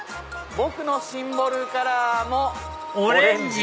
僕のシンボルカラーもオレンジ。